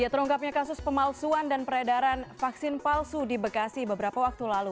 terungkapnya kasus pemalsuan dan peredaran vaksin palsu di bekasi beberapa waktu lalu